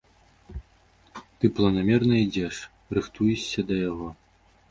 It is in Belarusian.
Ты планамерна ідзеш, рыхтуешся да яго.